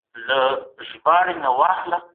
د خوښۍ مرحله تلپاتې نه وي.